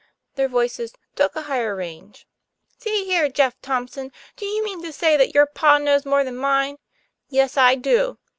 Their voices "took a higher range." " See here, Jeff Thompson, do you mean to say that your pa knows more than mine?" "Yes, I do."